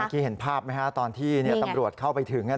เมื่อกี้เห็นภาพไหมฮะตอนที่เนี่ยตำรวจเข้าไปถึงนะฮะ